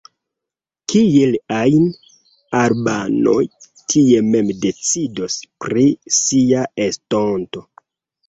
Kiel ajn, albanoj tie mem decidos pri sia estonto.